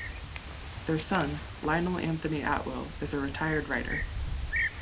Their son, Lionel Anthony Atwill, is a retired writer.